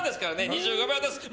２５秒です。